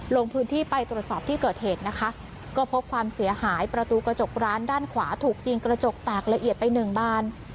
ลงพื้นที่ไปตรวจสอบที่เกิดเหตุนะคะก็พบความเสียหายประตูกระจกร้านด้านขวาถูกยิงกระจกแตกละเอียดไปหนึ่งบาน